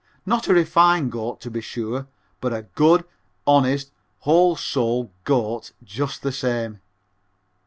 Not a refined goat, to be sure, but a good, honest, whole souled goat just the same.